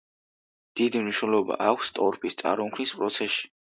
დიდი მნიშვნელობა აქვს ტორფის წარმოქმნის პროცესში.